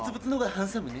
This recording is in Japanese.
ハンサムよ。